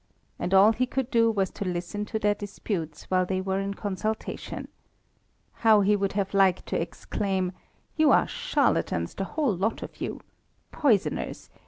And all he could do was to listen to their disputes while they were in consultation. How he would have liked to exclaim: "You are charlatans, the whole lot of you! Poisoners!